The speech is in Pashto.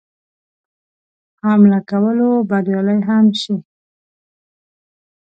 حمله کولو بریالی هم شي.